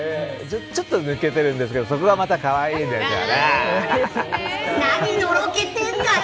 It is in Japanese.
ちょっと抜けてるんですけどそこがまたかわいいというか。